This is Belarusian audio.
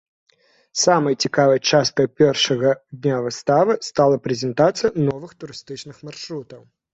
Самай цікавай часткай першага дня выставы стала прэзентацыя новых турыстычных маршрутаў.